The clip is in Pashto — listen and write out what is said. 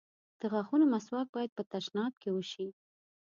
د غاښونو مسواک بايد په تشناب کې وشي.